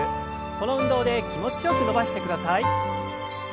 この運動で気持ちよく伸ばしてください。